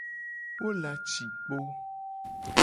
Wo la ci kpo.